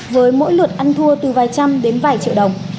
với mỗi lượt ăn thua từ vài trăm đến vài triệu đồng